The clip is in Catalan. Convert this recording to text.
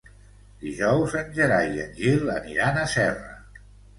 Dijous en Gerai i en Gil aniran a Serra.